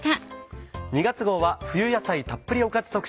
２月号は「冬野菜たっぷりおかず」